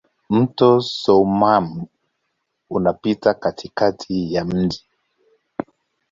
Mto Soummam unapita katikati ya mji.